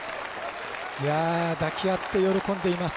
抱き合って喜んでいます。